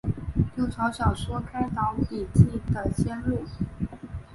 六朝小说开导笔记小说的先路。